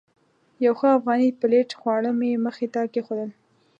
یو ښه افغاني پلیټ خواړه مې مخې ته کېښودل.